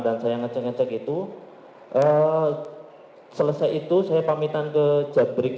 dan saya menyiapkan barang